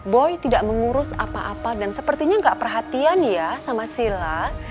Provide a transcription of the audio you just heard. boy tidak mengurus apa apa dan sepertinya nggak perhatian ya sama sila